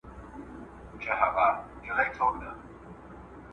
ته به دا ښکلی کتاب ما ته وسپارې.